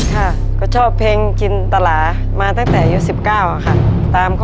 ค่ะก็ชอบเพลงกินตลาดมาตั้งแต่อายุ๑๙ค่ะ